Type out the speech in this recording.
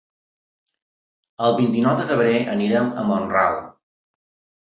El vint-i-nou de febrer anirem a Mont-ral.